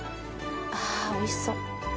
あおいしそう。